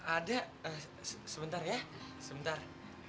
ada sebentar ya sebentar